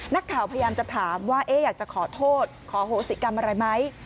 นักข่าวพยายามจะถามว่าอยากจะขอโทษขอโหสิกรรมอะไรไหม